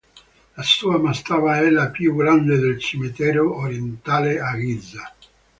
La sua mastaba è la più grande del cimitero orientale, a Giza.